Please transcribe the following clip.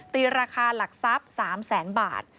ตีราคาหลักทรัพย์๓แสนบาท